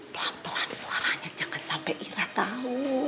pelan pelan suaranya jangan sampe ira tau